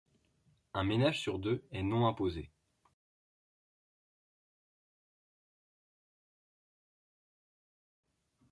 Un ménage sur deux est non imposé.